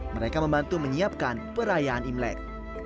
mereka membantu menyiapkan perayaan imlek